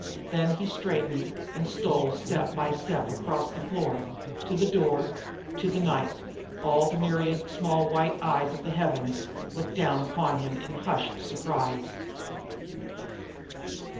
Then he straightened and stole step by step across the floor, to the door, to the night; all the myriad small white eyes of the heavens looked down to him in hushed surprise.